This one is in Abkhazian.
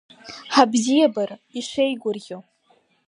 Ҳабзиабара ишеигәырӷьо.